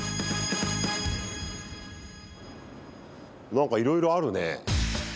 何かいろいろあるね。